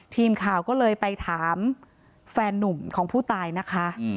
ทีมข่าวก็เลยไปถามแฟนนุ่มของผู้ตายนะคะ